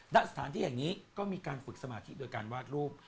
สถานที่แห่งนี้ก็มีการฝึกสมาธิโดยการวาดรูป